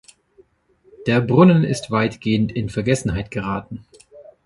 Der Brunnen ist weitgehend in Vergessenheit geraten.